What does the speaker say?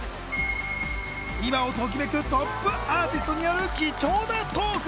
今をときめくトップアーティストによる貴重なトーク！